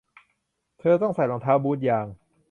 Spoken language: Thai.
เธอต้องใส่รองเท้าบูทยาง